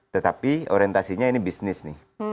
tetapi orientasinya ini bisnis nih